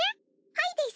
はいです。